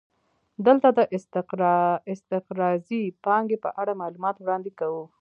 دلته د استقراضي پانګې په اړه معلومات وړاندې کوو